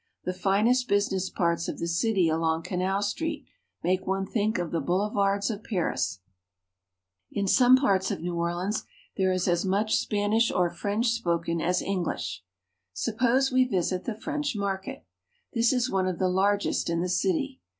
The finest business parts of the city along Canal Street make one think of the Boulevards of Paris. '^ii^^'^ A street Scene. NEW ORLEANS. I4I In some parts of New Orleans there is as much Spanish or French spoken as EngHsh. Suppose we visit the French market. This is one of the largest in the city.